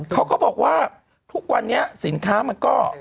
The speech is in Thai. เขาก็บอกว่าทุกวันนี้สินค้ามันก็